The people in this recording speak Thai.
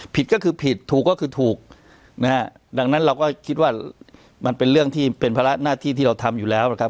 ผิดก็คือผิดถูกก็คือถูกนะฮะดังนั้นเราก็คิดว่ามันเป็นเรื่องที่เป็นภาระหน้าที่ที่เราทำอยู่แล้วนะครับ